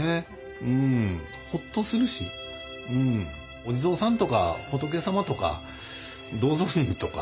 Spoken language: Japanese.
お地蔵さんとか仏様とか道祖神とか